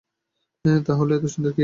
তাহলে এত চিন্তার কি আছে?